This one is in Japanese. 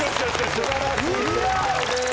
素晴らしい正解です。